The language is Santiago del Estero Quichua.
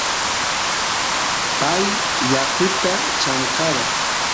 pay yakuta chamkara